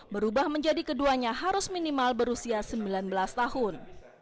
berubah menjadi keduanya harus minimal berusia sembilan belas tahun